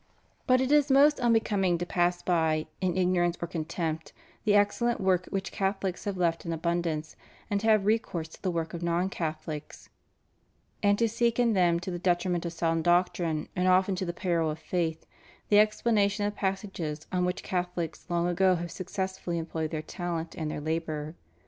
But it is most unbe coming to pass by, in ignorance or contempt, the excellent work which Catholics have left in abundance, and to have recourse to the work of non Catholics — and to seek in them, to the detriment of sound doctrine and often to the peril of faith, the explanation of passages on which Catholics long ago have successfully employed their talent and their labor.